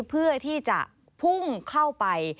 เพื่อที่จะพุ่งเข้าไป